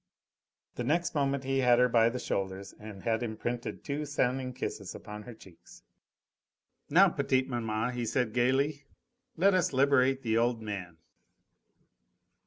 The next moment he had her by the shoulders and had imprinted two sounding kisses upon her cheeks. "Now, petite maman," he said gaily, "let us liberate the old man."